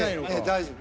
大丈夫。